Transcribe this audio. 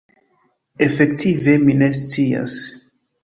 Efektive mi ne scias.